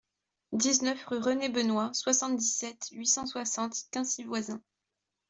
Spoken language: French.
dix-neuf rue René Benoist, soixante-dix-sept, huit cent soixante, Quincy-Voisins